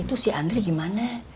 itu si andri gimana